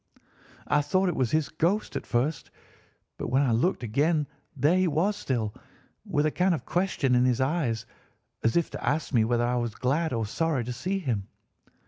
I thought it was his ghost at first; but when I looked again there he was still, with a kind of question in his eyes, as if to ask me whether I were glad or sorry to see him.